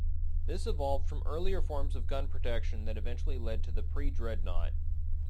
This evolved from earlier forms of gun protection that eventually led to the pre-dreadnought.